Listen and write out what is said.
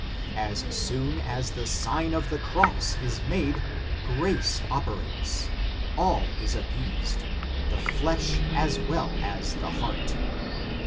As soon as the Sign of the Cross is made, grace operates ; all is appeased, the flesh as well as the heart."